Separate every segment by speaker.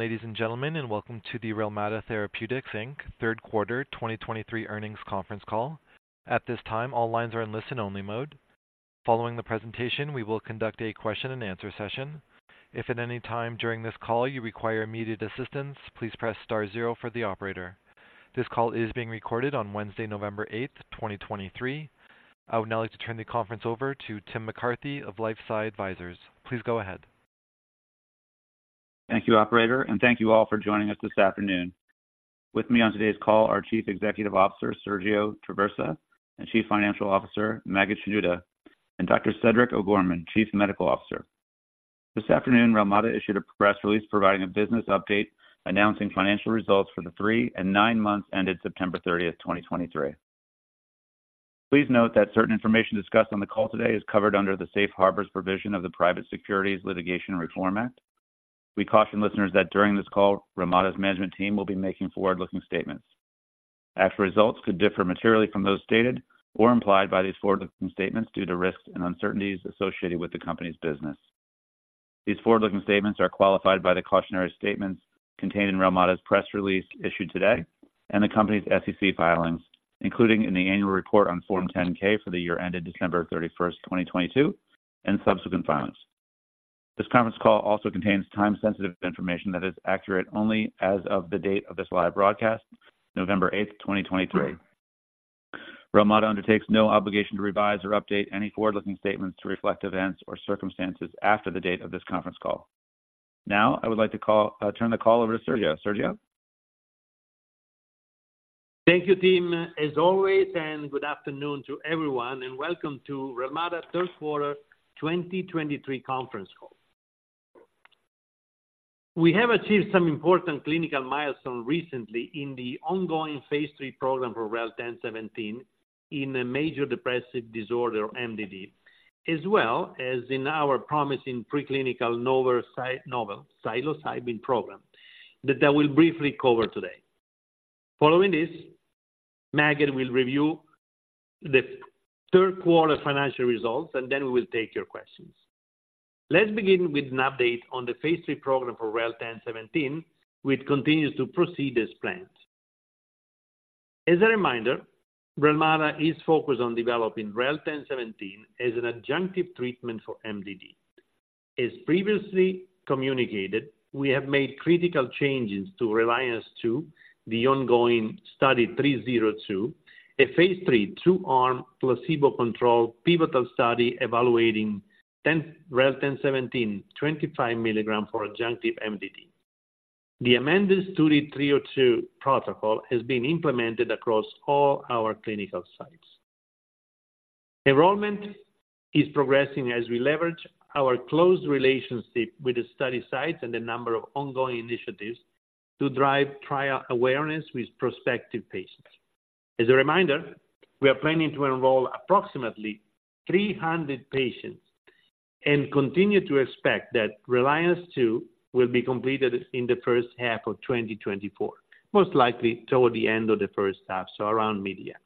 Speaker 1: Good afternoon, ladies and gentlemen, and welcome to the Relmada Therapeutics Inc. third quarter 2023 earnings conference call. At this time, all lines are in listen-only mode. Following the presentation, we will conduct a question and answer session. If at any time during this call you require immediate assistance, please press star zero for the operator. This call is being recorded on Wednesday, November 8, 2023. I would now like to turn the conference over to Tim McCarthy of LifeSci Advisors. Please go ahead.
Speaker 2: Thank you, operator, and thank you all for joining us this afternoon. With me on today's call are Chief Executive Officer, Sergio Traversa, and Chief Financial Officer, Maged Shenouda, and Dr. Cedric O'Gorman, Chief Medical Officer. This afternoon, Relmada issued a press release providing a business update, announcing financial results for the three and nine months ended September 30, 2023. Please note that certain information discussed on the call today is covered under the safe harbors provision of the Private Securities Litigation Reform Act. We caution listeners that during this call, Relmada's management team will be making forward-looking statements. Actual results could differ materially from those stated or implied by these forward-looking statements due to risks and uncertainties associated with the company's business. These forward-looking statements are qualified by the cautionary statements contained in Relmada's press release issued today and the company's SEC filings, including in the annual report on Form 10-K for the year ended December 31, 2022, and subsequent filings. This conference call also contains time-sensitive information that is accurate only as of the date of this live broadcast, November 8, 2023. Relmada undertakes no obligation to revise or update any forward-looking statements to reflect events or circumstances after the date of this conference call. Now, I would like to call, turn the call over to Sergio. Sergio?
Speaker 3: Thank you, Tim, as always, and good afternoon to everyone, and welcome to Relmada third quarter 2023 conference call. We have achieved some important clinical milestone recently in the ongoing phase III program for REL-1017 in major depressive disorder, MDD, as well as in our promising preclinical novel psilocybin program that I will briefly cover today. Following this, Maged will review the third quarter financial results, and then we will take your questions. Let's begin with an update on the phase III program for REL-1017, which continues to proceed as planned. As a reminder, Relmada is focused on developing REL-1017 as an adjunctive treatment for MDD. As previously communicated, we have made critical changes to RELIANCE II, the ongoing study 302, a phase III, two-arm, placebo-controlled pivotal study evaluating REL-1017 25 mg for adjunctive MDD. The amended Study 302 protocol has been implemented across all our clinical sites. Enrollment is progressing as we leverage our close relationship with the study sites and the number of ongoing initiatives to drive trial awareness with prospective patients. As a reminder, we are planning to enroll approximately 300 patients and continue to expect that RELIANCE II will be completed in the first half of 2024, most likely toward the end of the first half, so around mid-year.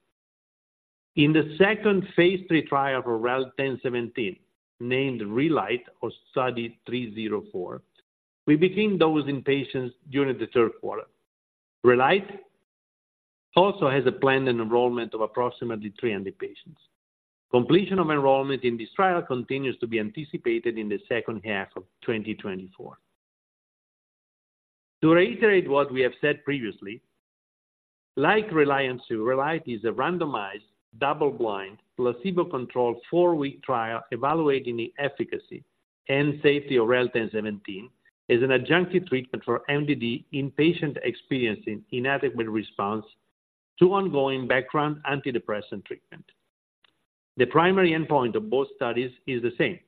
Speaker 3: In the second phase III trial for REL-1017, named RELIGHT or Study 304, we begin dosing patients during the third quarter. RELIGHT also has a planned enrollment of approximately 300 patients. Completion of enrollment in this trial continues to be anticipated in the second half of 2024. To reiterate what we have said previously, like RELIANCE II, RELIGHT is a randomized, double-blind, placebo-controlled, four-week trial evaluating the efficacy and safety of REL-1017 as an adjunctive treatment for MDD in patients experiencing inadequate response to ongoing background antidepressant treatment. The primary endpoint of both studies is the same: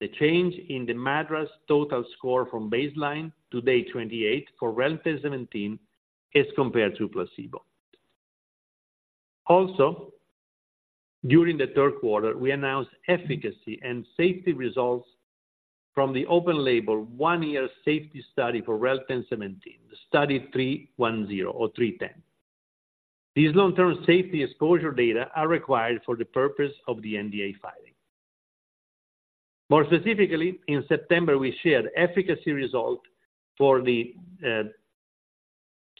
Speaker 3: the change in the MADRS total score from baseline to Day 28 for REL-1017 as compared to placebo. Also, during the third quarter, we announced efficacy and safety results from the open-label one-year safety study for REL-1017, the Study 310. These long-term safety exposure data are required for the purpose of the NDA filing. More specifically, in September, we shared efficacy result for the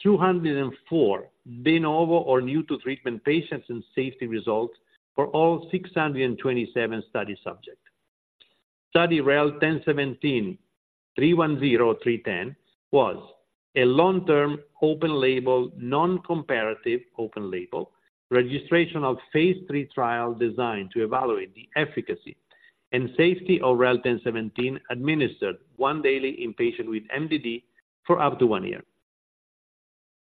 Speaker 3: 204 de novo or new to treatment patients, and safety results for all 627 study subjects. Study REL-1017 310, 310, was a long-term, open-label, non-comparative open-label, registrational phase III trial designed to evaluate the efficacy and safety of REL-1017, administered once daily in patients with MDD for up to one year.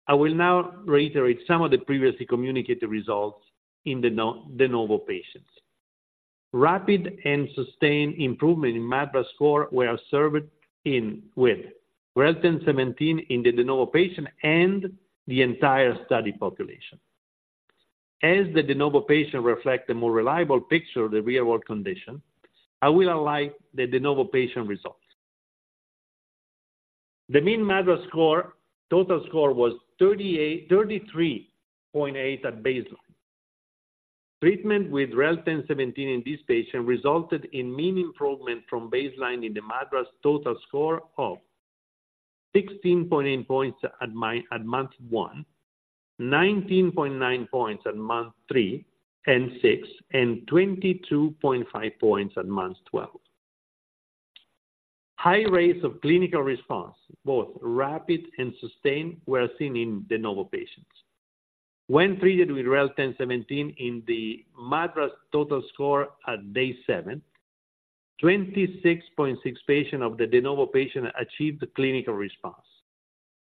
Speaker 3: I will now reiterate some of the previously communicated results in the de novo patients. Rapid and sustained improvement in MADRS score were observed with REL-1017 in the de novo patient and the entire study population. As the de novo patient reflect a more reliable picture of the real-world condition, I will highlight the de novo patient results. The mean MADRS score, total score was 33.8 at baseline. Treatment with REL-1017 in this patient resulted in mean improvement from baseline in the MADRS total score of 16.8 points at month one, 19.9 points at month three and six, and 22.5 points at month 12. High rates of clinical response, both rapid and sustained, were seen in de novo patients. When treated with REL-1017 in the MADRS total score at day seven, 26.6% of the de novo patients achieved clinical response.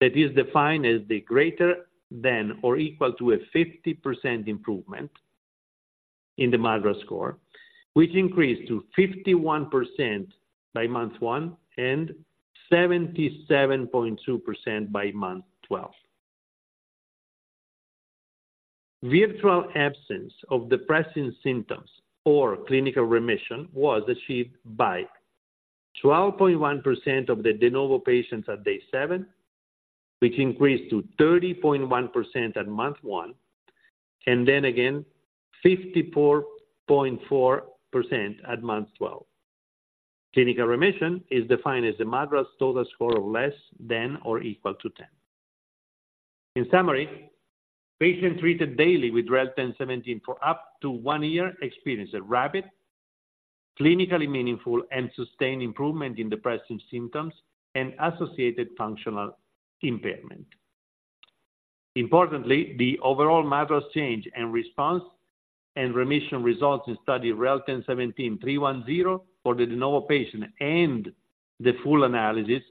Speaker 3: That is defined as the greater than or equal to a 50% improvement in the MADRS score, which increased to 51% by month one and 77.2% by month 12. Virtual absence of depressive symptoms or clinical remission was achieved by 12.1% of the de novo patients at day seven, which increased to 30.1% at month one, and then again, 54.4% at month 12. Clinical remission is defined as a MADRS total score of less than or equal to 10. In summary, patients treated daily with REL-1017 for up to one year experienced a rapid, clinically meaningful, and sustained improvement in depression symptoms and associated functional impairment. Importantly, the overall MADRS change and response and remission results in study REL-1017-310 for the de novo patient and the full analysis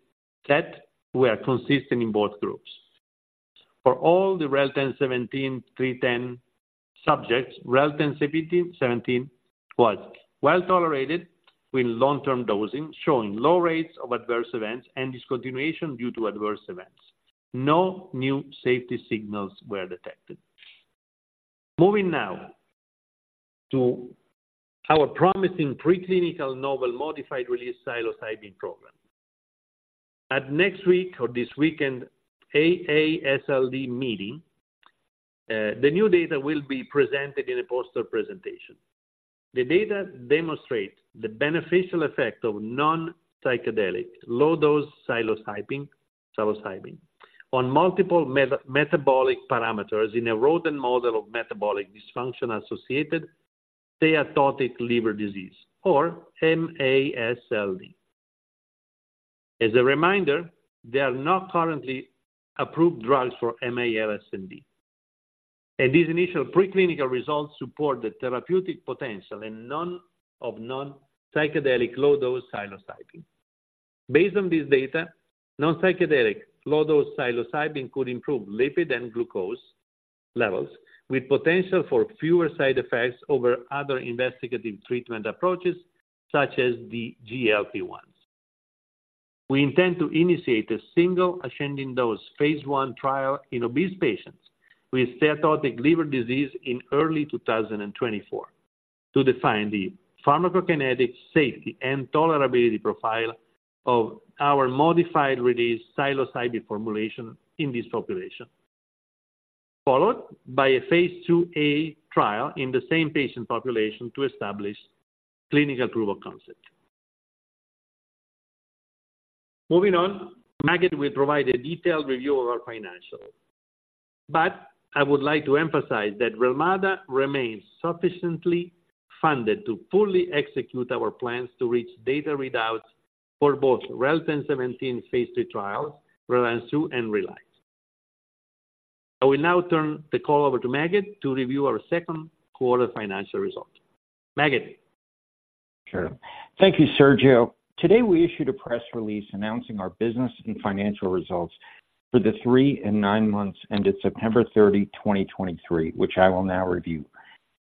Speaker 3: set were consistent in both groups. For all the REL-1017-310 subjects, REL-1017 was well tolerated with long-term dosing, showing low rates of adverse events and discontinuation due to adverse events. No new safety signals were detected. Moving now to our promising preclinical novel modified release psilocybin program. At next week or this weekend, AASLD meeting, the new data will be presented in a poster presentation. The data demonstrate the beneficial effect of non-psychedelic, low-dose psilocybin on multiple metabolic parameters in a rodent model of metabolic dysfunction-associated steatotic liver disease, or MASLD. As a reminder, there are not currently approved drugs for MASLD, and these initial preclinical results support the therapeutic potential of non-psychedelic, low-dose psilocybin. Based on this data, non-psychedelic, low-dose psilocybin could improve lipid and glucose levels, with potential for fewer side effects over other investigative treatment approaches, such as the GLP-1s. We intend to initiate a single-ascending dose phase I trial in obese patients with steatotic liver disease in early 2024 to define the pharmacokinetic safety and tolerability profile of our modified-release psilocybin formulation in this population, followed by a phase IIa trial in the same patient population to establish clinical proof of concept. Moving on, Maged will provide a detailed review of our financials. But I would like to emphasize that Relmada remains sufficiently funded to fully execute our plans to reach data readouts for both REL-1017 phase III trials, RELIANCE II and RELIANCE III. I will now turn the call over to Maged to review our second quarter financial results. Maged?
Speaker 4: Sure. Thank you, Sergio. Today, we issued a press release announcing our business and financial results for the three and nine months ended September 30, 2023, which I will now review.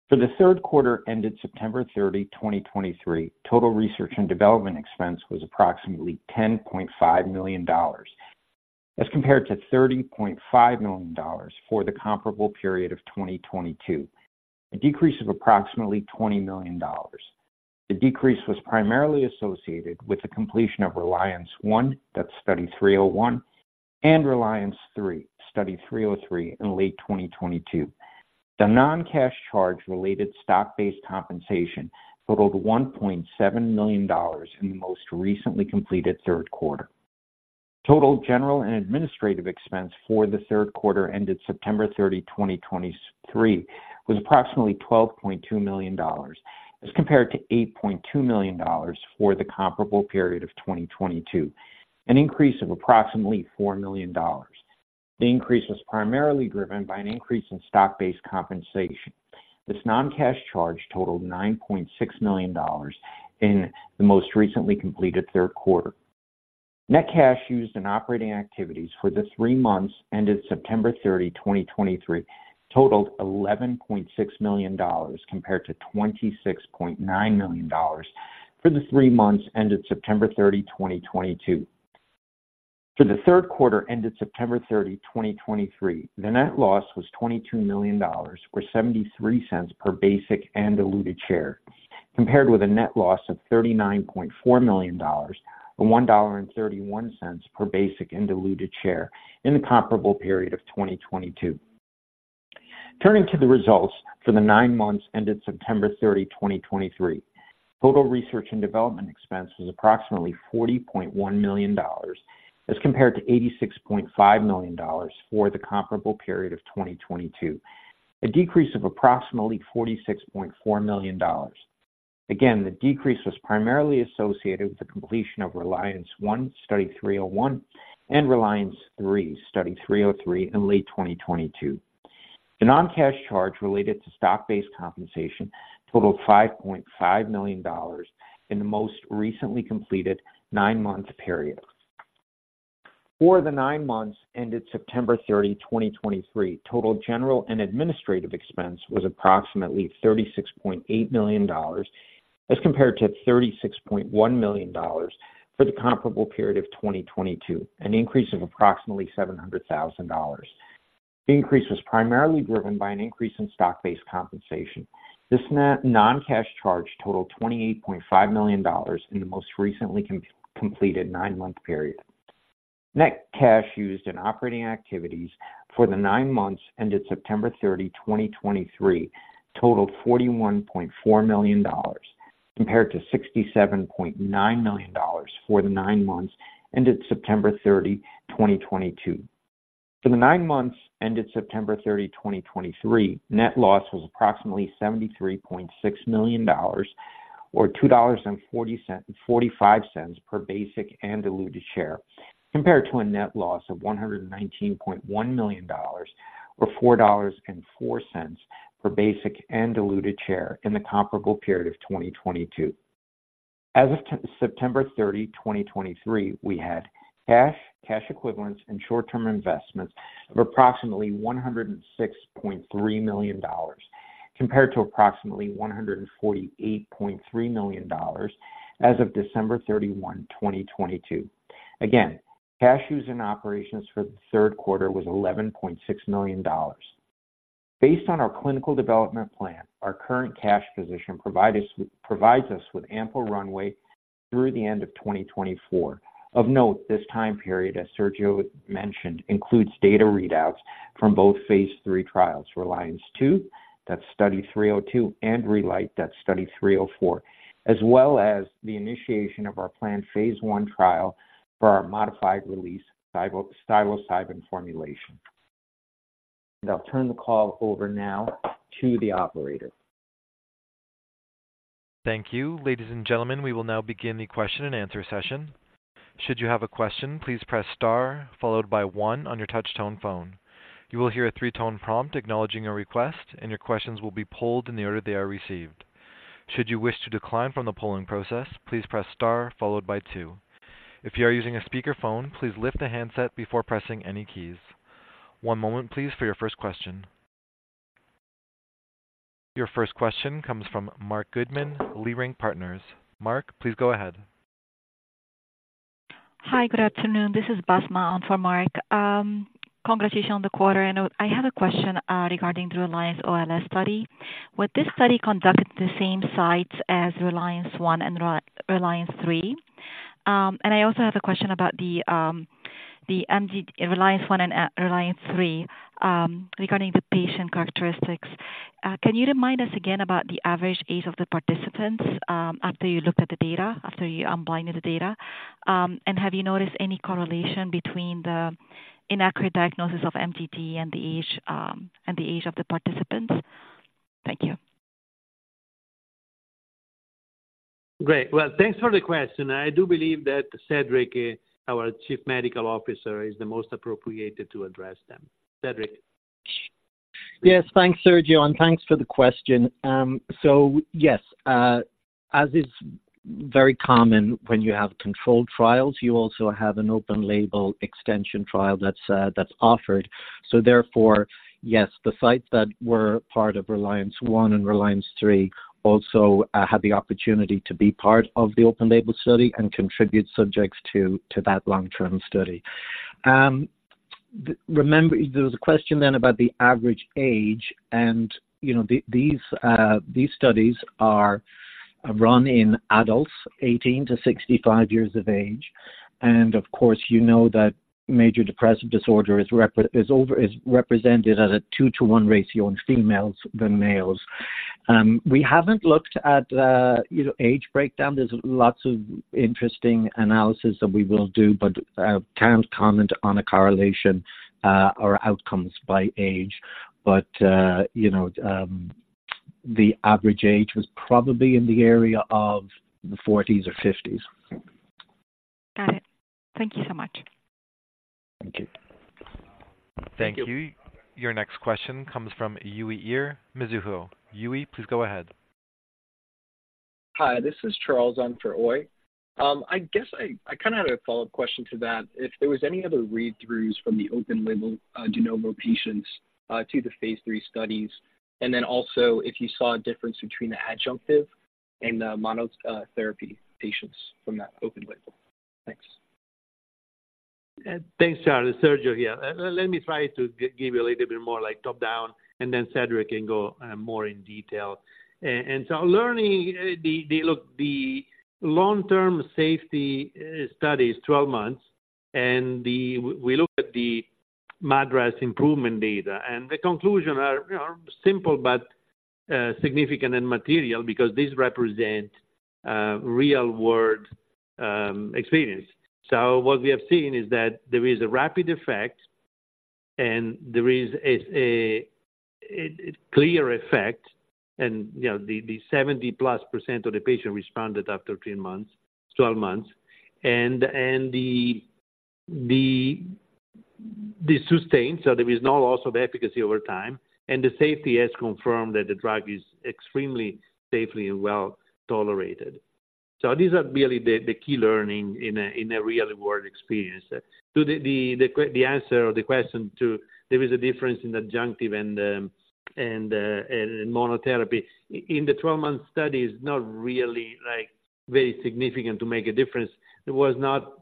Speaker 4: For the third quarter ended September 30, 2023, total research and development expense was approximately $10.5 million, as compared to $30.5 million for the comparable period of 2022, a decrease of approximately $20 million. The decrease was primarily associated with the completion of RELIANCE I, that's Study 301, and RELIANCE III, Study 303, in late 2022. The non-cash charge related stock-based compensation totaled $1.7 million in the most recently completed third quarter. Total general and administrative expense for the third quarter ended September 30, 2023, was approximately $12.2 million, as compared to $8.2 million for the comparable period of 2022, an increase of approximately $4 million. The increase was primarily driven by an increase in stock-based compensation. This non-cash charge totaled $9.6 million in the most recently completed third quarter. Net cash used in operating activities for the three months ended September 30, 2023, totaled $11.6 million, compared to $26.9 million for the three months ended September 30, 2022. For the third quarter ended September 30, 2023, the net loss was $22 million, or $0.73 per basic and diluted share, compared with a net loss of $39.4 million and $1.31 per basic and diluted share in the comparable period of 2022. Turning to the results for the nine months ended September 30, 2023. Total research and development expense was approximately $40.1 million, as compared to $86.5 million for the comparable period of 2022, a decrease of approximately $46.4 million. Again, the decrease was primarily associated with the completion of RELIANCE I, Study 301, and RELIANCE III, Study 303 in late 2022. The non-cash charge related to stock-based compensation totaled $5.5 million in the most recently completed nine-month period. For the nine months ended September 30, 2023, total general and administrative expense was approximately $36.8 million, as compared to $36.1 million for the comparable period of 2022, an increase of approximately $700,000. The increase was primarily driven by an increase in stock-based compensation. This non-cash charge totaled $28.5 million in the most recently completed nine-month period. Net cash used in operating activities for the nine months ended September 30, 2023, totaled $41.4 million, compared to $67.9 million for the nine months ended September 30, 2022. For the nine months ended September 30, 2023, net loss was approximately $73.6 million, or $2.45 per basic and diluted share, compared to a net loss of $119.1 million, or $4.04 per basic and diluted share in the comparable period of 2022. As of September 30, 2023, we had cash, cash equivalents, and short-term investments of approximately $106.3 million, compared to approximately $148.3 million as of December 31, 2022. Again, cash used in operations for the third quarter was $11.6 million. Based on our clinical development plan, our current cash position provides us with ample runway through the end of 2024. Of note, this time period, as Sergio mentioned, includes data readouts from both phase III trials, Reliance II, that's Study 302, and RELIGHT, that's Study 304, as well as the initiation of our planned phase I trial for our modified release psilocybin formulation. I'll turn the call over now to the operator.
Speaker 1: Thank you. Ladies and gentlemen, we will now begin the question and answer session. Should you have a question, please press star, followed by one on your touch tone phone. You will hear a three-tone prompt acknowledging your request, and your questions will be polled in the order they are received. Should you wish to decline from the polling process, please press star followed by two. If you are using a speakerphone, please lift the handset before pressing any keys. One moment, please, for your first question. Your first question comes from Marc Goodman, Leerink Partners. Marc, please go ahead.
Speaker 5: Hi, good afternoon. This is Basma for Mark. Congratulations on the quarter, and I have a question regarding the RELIANCE-OLS study. Was this study conducted at the same site as RELIANCE I and RELIANCE III? And I also have a question about the MDD, RELIANCE I and RELIANCE III, regarding the patient characteristics. Can you remind us again about the average age of the participants after you looked at the data, after you blinded the data? And have you noticed any correlation between the inaccurate diagnosis of MDD and the age of the participants? Thank you.
Speaker 3: Great. Well, thanks for the question. I do believe that Cedric, our Chief Medical Officer, is the most appropriate to address them. Cedric?
Speaker 6: Yes, thanks, Sergio, and thanks for the question. So yes, as is very common, when you have controlled trials, you also have an open label extension trial that's offered. So therefore, yes, the sites that were part of RELIANCE I and RELIANCE III also had the opportunity to be part of the open label study and contribute subjects to that long-term study. Remember, there was a question then about the average age, and, you know, these studies are run in adults 18 to 65 years of age. And of course, you know that major depressive disorder is represented at a two-one ratio in females than males. We haven't looked at, you know, age breakdown. There's lots of interesting analysis that we will do, but can't comment on a correlation or outcomes by age. But you know, the average age was probably in the area of the 40s or 50s.
Speaker 5: Got it. Thank you so much.
Speaker 6: Thank you.
Speaker 3: Thank you.
Speaker 1: Thank you. Your next question comes from Uy Ear, Mizuho. Uy, please go ahead.
Speaker 7: Hi, this is Charles. I'm for Uy. I guess I kind of had a follow-up question to that. If there was any other read-throughs from the open label, de novo patients, to the phase III studies, and then also if you saw a difference between the adjunctive and the mono, therapy patients from that open label. Thanks.
Speaker 3: Thanks, Charles. Sergio here. Let me try to give you a little bit more like top down, and then Cedric can go more in detail. And so learning the long-term safety study is 12 months, and we look at the MADRS improvement data, and the conclusion are, you know, simple but significant and material because this represent real world experience. So what we have seen is that there is a rapid effect, and there is a clear effect and, you know, the 70+% of the patient responded after three months, 12 months, and the sustain, so there is no loss of efficacy over time, and the safety has confirmed that the drug is extremely safely and well tolerated. So these are really the key learning in a real world experience. To the answer or the question, there is a difference in adjunctive and monotherapy. In the 12-month study is not really, like, very significant to make a difference. It was not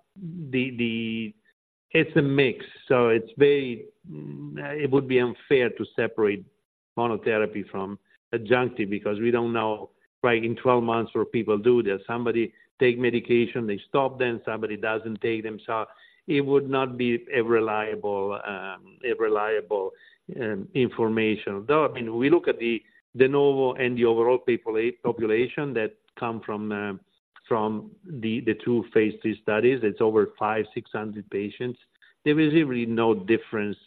Speaker 3: the—it's a mix, so it's very, it would be unfair to separate monotherapy from adjunctive because we don't know, right, in 12 months what people do. There's somebody take medication, they stop, then somebody doesn't take them. So it would not be a reliable information. Though, I mean, we look at the de novo and the overall population that come from, from the two phase III studies, it's over 500-600 patients. There is really no difference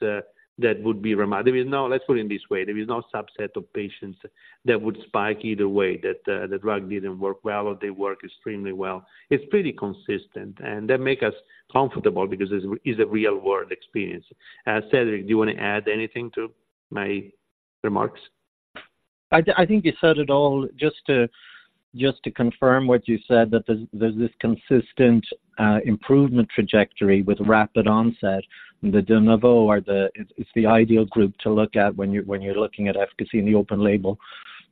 Speaker 3: that would be remarkable. There is no... Let's put it this way: there is no subset of patients that would spike either way, that, the drug didn't work well or they work extremely well. It's pretty consistent, and that make us comfortable because this is a real-world experience. Cedric, do you want to add anything to my remarks?
Speaker 7: I think you said it all. Just to confirm what you said, that there's this consistent improvement trajectory with rapid onset in the de novo or the... It's the ideal group to look at when you're looking at efficacy in the open label,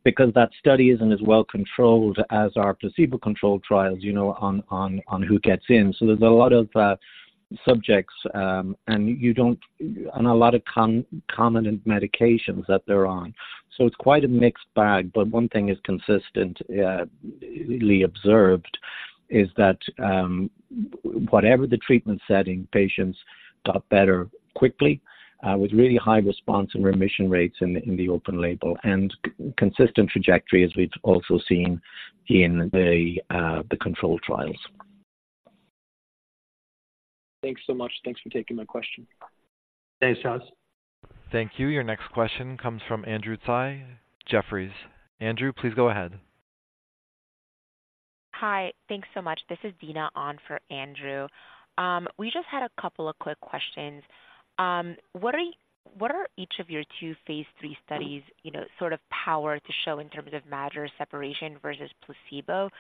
Speaker 7: because that study isn't as well controlled as our placebo-controlled trials, you know, on who gets in. So there's a lot of subjects and a lot of concomitant medications that they're on. So it's quite a mixed bag, but one thing is consistently observed is that whatever the treatment setting, patients got better quickly with really high response and remission rates in the open label, and consistent trajectory as we've also seen in the controlled trials. Thanks so much. Thanks for taking my question.
Speaker 3: Thanks, Charles.
Speaker 1: Thank you. Your next question comes from Andrew Tsai, Jefferies. Andrew, please go ahead.
Speaker 8: Hi. Thanks so much. This is Dina on for Andrew. We just had a couple of quick questions. What are each of your two phase III studies, you know, sort of powered to show in terms of major separation versus placebo?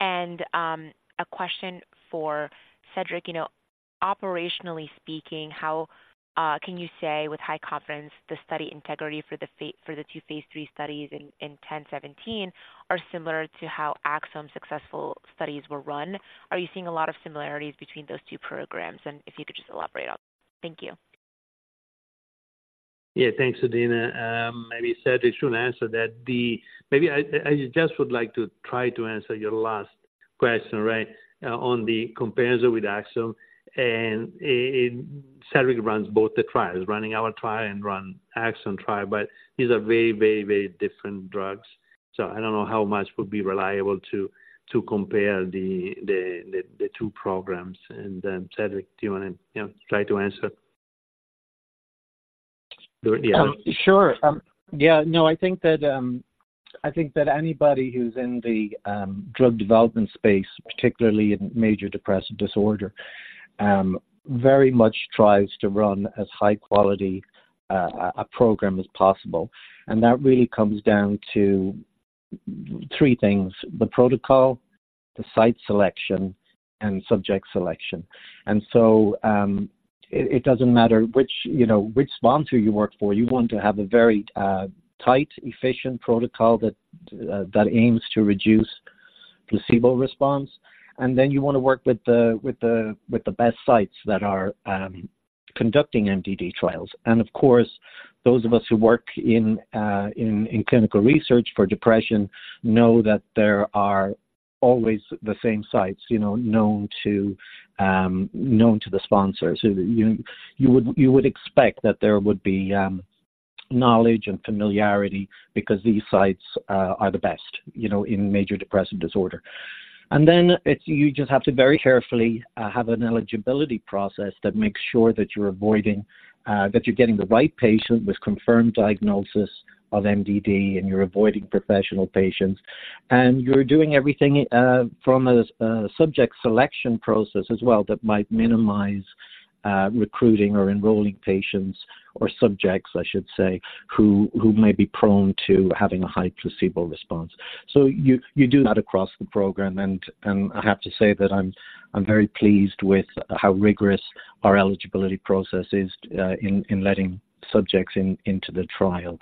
Speaker 8: And a question for Cedric. You know, operationally speaking, how can you say with high confidence the study integrity for the two phase III studies in REL-1017 are similar to how Axsome's successful studies were run? Are you seeing a lot of similarities between those two programs? And if you could just elaborate on that. Thank you.
Speaker 3: Yeah, thanks, Dina. Maybe Cedric should answer that. Maybe I just would like to try to answer your last question, right, on the comparison with Axsome. And Cedric runs both the trials, running our trial and run Axsome trial, but these are very, very, very different drugs, so I don't know how much would be reliable to compare the two programs. And then, Cedric, do you want to, you know, try to answer? Yeah.
Speaker 6: Sure. Yeah, no, I think that anybody who's in the drug development space, particularly in major depressive disorder, very much tries to run as high quality a program as possible. And that really comes down to three things: the protocol, the site selection, and subject selection. And so, it doesn't matter which sponsor you work for. You want to have a very tight, efficient protocol that aims to reduce placebo response. And then you want to work with the best sites that are conducting MDD trials. And of course, those of us who work in clinical research for depression know that there are always the same sites, you know, known to the sponsor. So you would expect that there would be knowledge and familiarity because these sites are the best, you know, in major depressive disorder. And then it's you just have to very carefully have an eligibility process that makes sure that you're avoiding that you're getting the right patient with confirmed diagnosis of MDD, and you're avoiding professional patients. And you're doing everything from a subject selection process as well that might minimize recruiting or enrolling patients or subjects, I should say, who may be prone to having a high placebo response. So you do that across the program, and I have to say that I'm very pleased with how rigorous our eligibility process is in letting subjects in into the trial.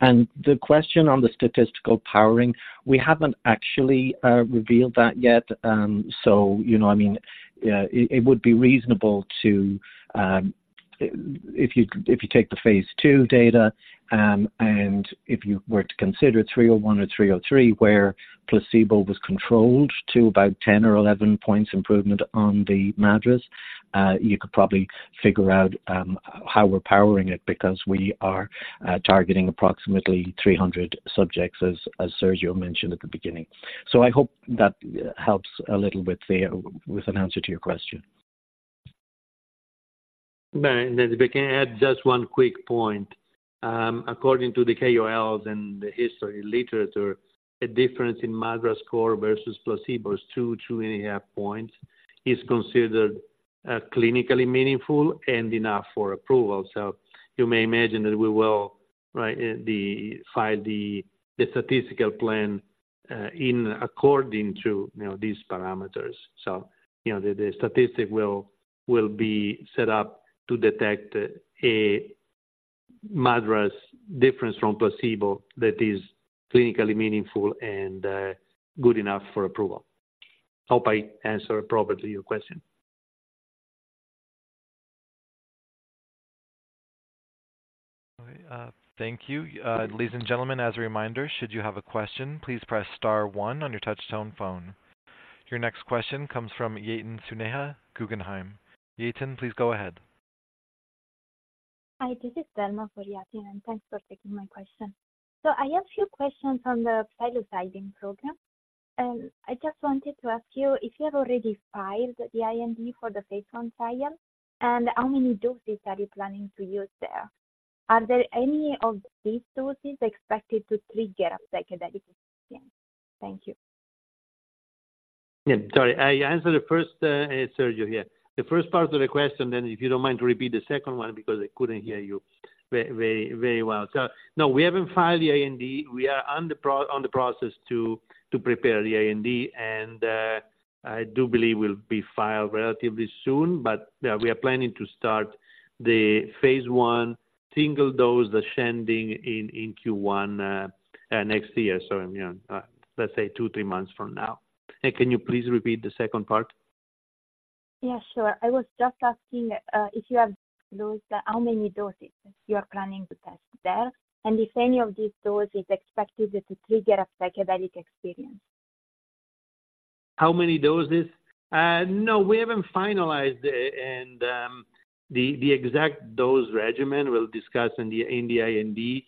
Speaker 6: The question on the statistical powering, we haven't actually revealed that yet. So, you know, I mean, it would be reasonable to. If you, if you take the phase II data, and if you were to consider 301 or 303, where placebo was controlled to about 10 or 11 points improvement on the MADRS, you could probably figure out, how we're powering it because we are, targeting approximately 300 subjects, as Sergio mentioned at the beginning. I hope that helps a little with an answer to your question.
Speaker 3: But if I can add just one quick point. According to the KOLs and the historical literature, a difference in MADRS score versus placebo of 2-2.5 points is considered clinically meaningful and enough for approval. So you may imagine that we will file the statistical plan in accordance to, you know, these parameters. So, you know, the statistic will be set up to detect a MADRS difference from placebo that is clinically meaningful and good enough for approval. Hope I answer appropriately your question.
Speaker 1: Okay, thank you. Ladies and gentlemen, as a reminder, should you have a question, please press star one on your touch-tone phone. Your next question comes from Yatin Suneja, Guggenheim. Yaten, please go ahead.
Speaker 9: Hi, this is Thelma for Yaten, and thanks for taking my question. I have a few questions on the psilocybin program. I just wanted to ask you if you have already filed the IND for the phase one trial, and how many doses are you planning to use there? Are there any of these doses expected to trigger a psychedelic experience? Thank you.
Speaker 3: Yeah, sorry. I'll answer the first, Sergio here. The first part of the question, then, if you don't mind, repeat the second one, because I couldn't hear you very, very, very well. So no, we haven't filed the IND. We are on the process to prepare the IND, and, I do believe will be filed relatively soon. But, yeah, we are planning to start the phase one single dose, ascending in Q1 next year. So, you know, let's say two, three months from now. And can you please repeat the second part?
Speaker 9: Yeah, sure. I was just asking if you have those, how many doses you are planning to test there, and if any of these doses is expected to trigger a psychedelic experience?
Speaker 3: How many doses? No, we haven't finalized it and the exact dose regimen we'll discuss in the IND.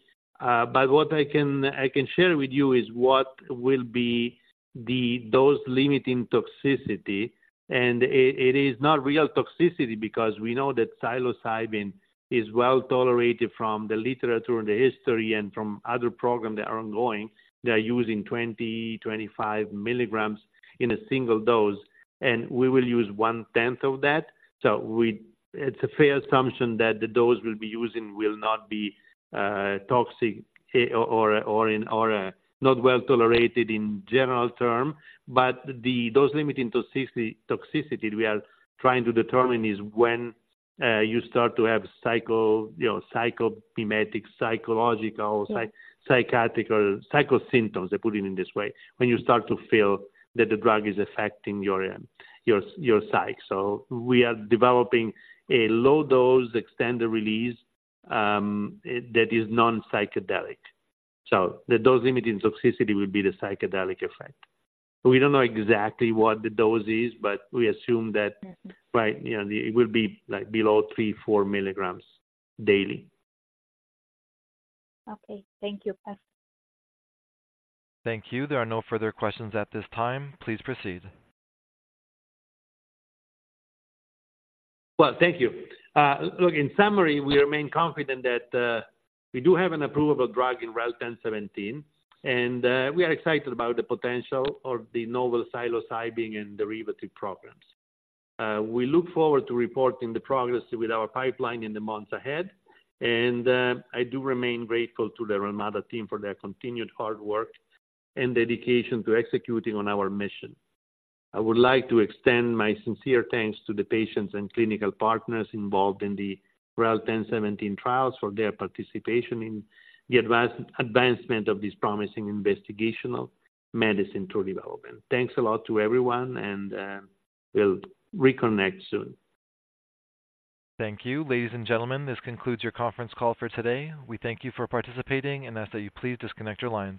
Speaker 3: But what I can share with you is what will be the dose limiting toxicity. And it is not real toxicity because we know that psilocybin is well tolerated from the literature and the history and from other programs that are ongoing. They are using 25 mg in a single dose, and we will use one-tenth of that. So, it's a fair assumption that the dose we'll be using will not be toxic or not well tolerated in general terms, but the dose limiting toxicity we are trying to determine is when you start to have psycho, you know, psychomimetic, psychological, psych, psychiatric or psycho symptoms. I put it in this way, when you start to feel that the drug is affecting your psych. So we are developing a low dose extended release that is non-psychedelic. So the dose limiting toxicity will be the psychedelic effect. We don't know exactly what the dose is, but we assume that-
Speaker 10: Yes.
Speaker 3: Right, you know, it will be like below 3-4 milligrams daily.
Speaker 10: Okay. Thank you. Bye.
Speaker 1: Thank you. There are no further questions at this time. Please proceed.
Speaker 3: Well, thank you. Look, in summary, we remain confident that we do have an approvable drug in REL-1017, and we are excited about the potential of the novel psilocybin and derivative programs. We look forward to reporting the progress with our pipeline in the months ahead, and I do remain grateful to the Relmada team for their continued hard work and dedication to executing on our mission. I would like to extend my sincere thanks to the patients and clinical partners involved in the REL-1017 trials for their participation in the advancement of this promising investigational medicine to development. Thanks a lot to everyone, and we'll reconnect soon.
Speaker 1: Thank you. Ladies and gentlemen, this concludes your conference call for today. We thank you for participating and ask that you please disconnect your lines.